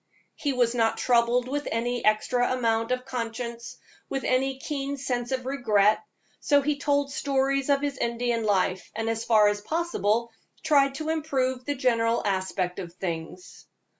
He was not troubled with any extra amount of conscience, with any keen sense of regret, so he told stories of his Indian life, and as far as possible tried to improve the general aspect of things.